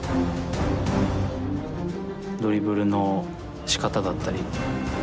ドリブルのしかただったり。